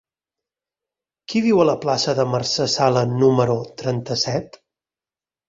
Qui viu a la plaça de Mercè Sala número trenta-set?